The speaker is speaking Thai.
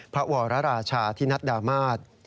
พระวรราชาธินัดดามาศ